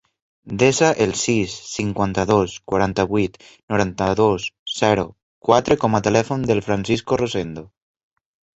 Desa el sis, cinquanta-dos, quaranta-vuit, noranta-dos, zero, quatre com a telèfon del Francisco Rosendo.